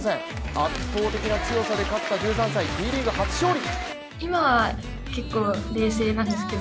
圧倒的な強さで勝った１３歳、Ｔリーグ初勝利。